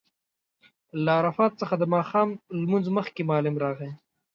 له عرفات څخه د ماښام لمونځ مخکې معلم راغی.